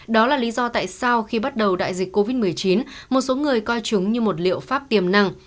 đó là lý do tại sao khi bắt đầu đại dịch covid một mươi chín một số người coi chúng như một liệu pháp tiềm năng